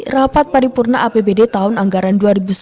rapat paripurna apbd tahun anggaran dua ribu sembilan belas